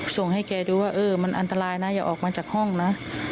ส่งให้แกดูว่าเออมันอันตรายนะอย่าออกมาจากห้องนะ